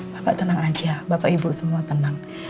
bapak tenang aja bapak ibu semua tenang